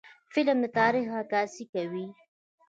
فلم د تاریخ عکاسي کوي